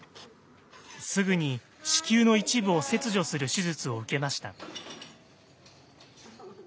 すぐに子宮の一部を切除する手術を受けました。